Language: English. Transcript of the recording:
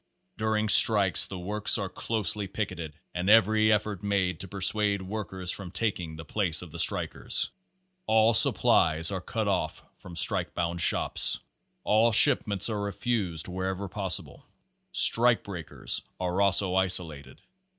Page Eighteen During strikes the works are closely picketed and every effort made to persuade workers from taking the places of the strikers. All supplies are cut off from strike bound shops. All shipments are refused wher ever possible. Strike breakers are also isolated.